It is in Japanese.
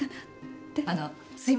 あのすいませんが。